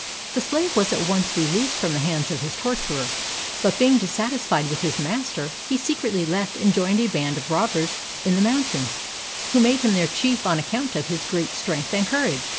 The slave was at once released from the hands of his torturer. But being dissatisfied with his master, he secretly left and joined a band of robbers in the moun tains, who made him their chief on account of his great strength and courage.